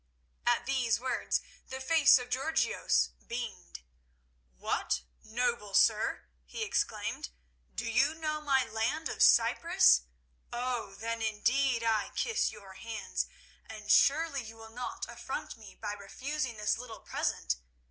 At these words the face of Georgios beamed. "What, noble sir," he exclaimed, "do you know my land of Cyprus? Oh, then indeed I kiss your hands, and surely you will not affront me by refusing this little present?